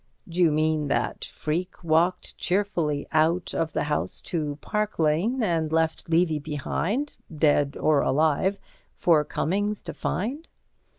"D'you mean that Freke walked cheerfully out of the house to Park Lane, and left Levy behind—dead or alive—for Cummings to find?"